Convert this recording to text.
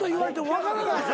分からないです。